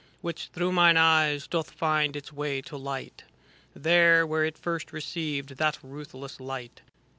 Which, through mine eyes, doth find its way to light. There, where it first received that ruthless light.